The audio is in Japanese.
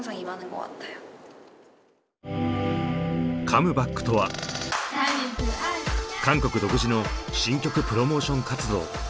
「カムバック」とは韓国独自の新曲プロモーション活動。